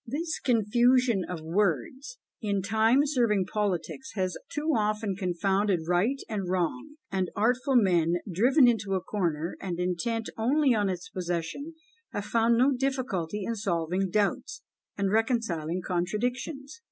This "confusion of words," in time serving politics, has too often confounded right and wrong; and artful men, driven into a corner, and intent only on its possession, have found no difficulty in solving doubts, and reconciling contradictions.